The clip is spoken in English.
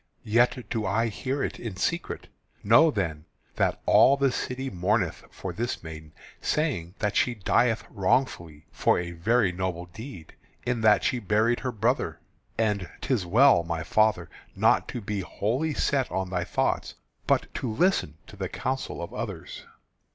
Yet do I hear it in secret. Know then that all the city mourneth for this maiden, saying that she dieth wrongfully for a very noble deed, in that she buried her brother. And 'tis well, my father, not to be wholly set on thy thoughts, but to listen to the counsels of others."